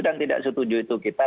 dan tidak setuju itu kita